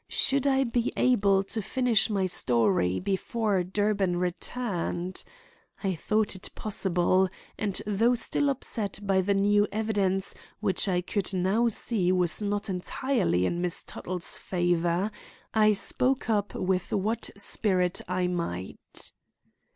Should I be able to finish my story before Durbin returned? I thought it possible, and, though still upset by this new evidence, which I could now see was not entirely in Miss Tuttle's favor, I spoke up with what spirit I might.